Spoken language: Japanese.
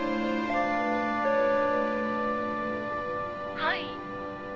はい。